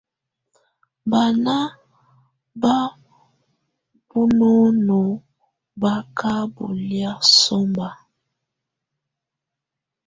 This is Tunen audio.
Bána bá bunɔnɔ̀ bà ka bɔlɛ̀á sɔmba.